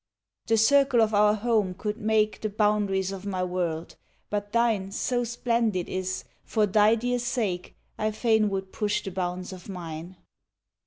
The circle of our home could make The boundaries of my world, but thine So splendid is, for thy dear sake, I fain would push the bounds of mine.